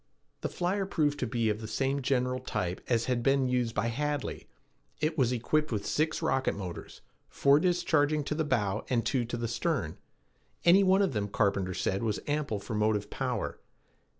The flyer proved to be of the same general type as had been used by Hadley. It was equipped with six rocket motors, four discharging to the bow and two to the stern. Any one of them, Carpenter said, was ample for motive power.